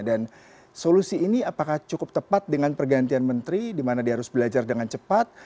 solusi ini apakah cukup tepat dengan pergantian menteri di mana dia harus belajar dengan cepat